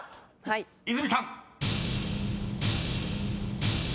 ［泉さん］